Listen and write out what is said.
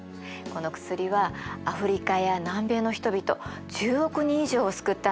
この薬はアフリカや南米の人々１０億人以上を救ったのよ。